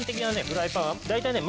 フライパンは大体ね